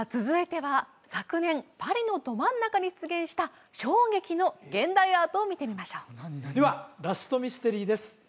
続いては昨年パリのど真ん中に出現した衝撃の現代アートを見てみましょうではラストミステリーです